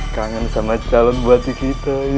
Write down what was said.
kangen sama calon bupati kita